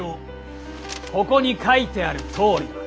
ここに書いてあるとおりだ。